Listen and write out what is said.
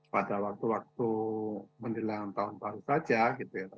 pada waktu waktu menjelang tahun baru saja gitu ya